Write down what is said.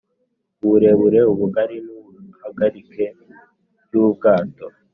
uburebure, ubugari n’ ubuhagarike by’ubwato;